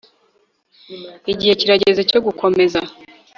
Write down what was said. igihe kirageze cyo gukomeza